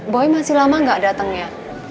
boy masih lama gak dateng ya